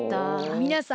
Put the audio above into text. みなさん